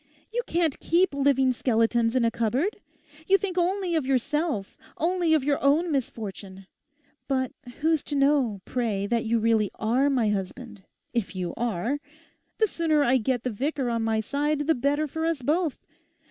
You can't keep living skeletons in a cupboard. You think only of yourself, only of your own misfortune. But who's to know, pray, that you really are my husband—if you are? The sooner I get the vicar on my side the better for us both.